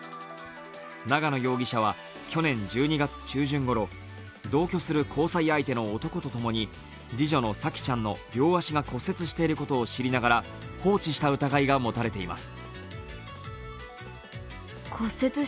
長野容疑者は去年１２月中旬ごろ同居する交際相手の男と共に次女の沙季ちゃんの両足が骨折していることを知りながら放置した疑いが持たれています。